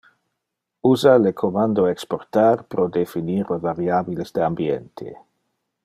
Usa le commando exportar pro definir le variabiles de ambiente.